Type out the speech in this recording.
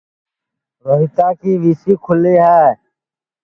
روہیتا کی ویسی کُھلی ہے